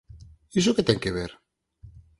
Iso que ten que ver?